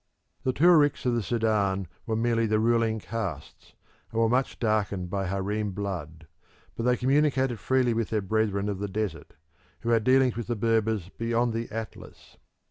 The Tuaricks of the Sudan were merely the ruling castes, and were much darkened by harem blood, but they communicated freely with their brethren of the desert, who had dealings with the Berbers beyond the Atlas.